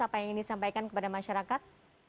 apa yang ingin disampaikan kepada masyarakat